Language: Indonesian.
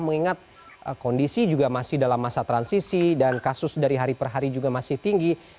mengingat kondisi juga masih dalam masa transisi dan kasus dari hari per hari juga masih tinggi